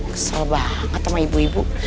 kesel banget sama ibu ibu